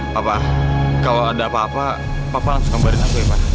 papa kalau ada apa apa papa langsung kembali nanggul ya pa